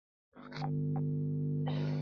坐在厨房的门边